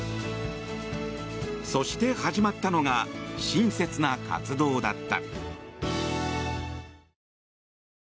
そして始まったのが親切な活動だった。